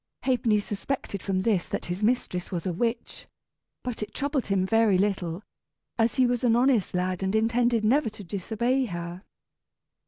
Ha'penny suspected from this that his mistress was a witch; but it troubled him very little, as he was an honest lad and intended never to disobey her.